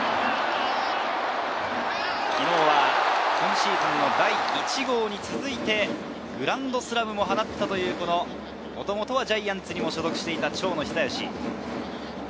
昨日は今シーズン第１号に続いて、グランドスラムも放った、もともとジャイアンツに所属していた長野久義。